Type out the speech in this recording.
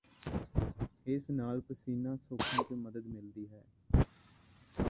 ਇਸ ਨਾਲ ਪਸੀਨਾ ਸੋਖਣ ਚ ਮਦਦ ਮਿਲਦੀ ਹੈ